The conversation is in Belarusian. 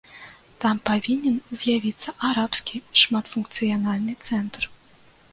Там павінен з'явіцца арабскі шматфункцыянальны цэнтр.